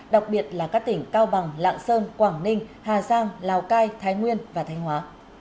đặc biệt là các tỉnh cao bằng lạng sơn quảng ninh hà giang lào cai thái nguyên và thanh hóa